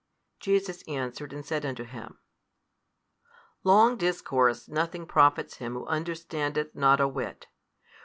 Jesus answered and said unto him, Long discourse nothing profits him who understandeth not a whit.